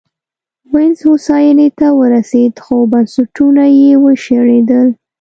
وینز هوساینې ته ورسېد خو بنسټونه یې وشړېدل